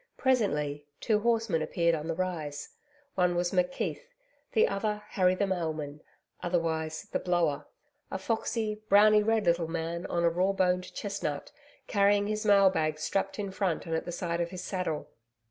Presently, two horsemen appeared on the rise. One was McKeith; the other Harry the Mailman otherwise the Blower a foxy, browny red little man on a raw boned chestnut, carrying his mail bags strapped in front and at the side of his saddle.